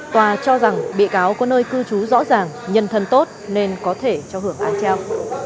tòa cho rằng bị cáo có nơi cư trú rõ ràng nhân thân tốt nên có thể cho hưởng án treo